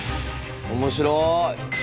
面白い。